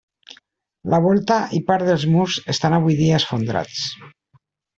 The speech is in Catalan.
La volta i part dels murs estan avui dia esfondrats.